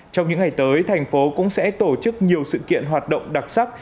trong những ngày tới thành phố cũng sẽ tổ chức nhiều sự kiện hoạt động đặc sắc